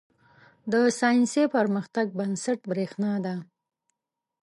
• د ساینسي پرمختګ بنسټ برېښنا ده.